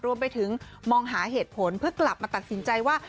รวมไปถึงมองหาเหตุผลเพื่อกลับมาตัดสินใจว่า